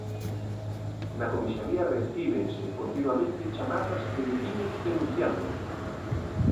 Na comisaría recíbense continuamente chamadas de veciños denunciando.